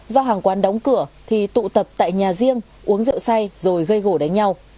do hàng quán đóng cửa thì tụ tập tại nhà riêng uống rượu say rồi gây gỗ đánh nhau